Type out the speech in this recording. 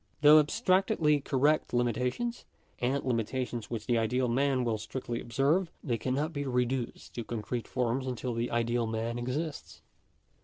Though abstractedly correct limitations, and limitations which the ideal man will strictly observe, they cannot be reduced to concrete forms until the ideal man exists.